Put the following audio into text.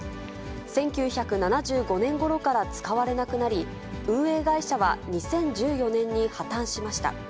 １９７５年ごろから使われなくなり、運営会社は２０１４年に破綻しました。